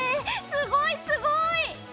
すごい、すごい！